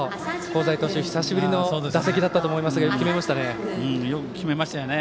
香西投手、久しぶりの打席だったと思いますがよく決めましたね。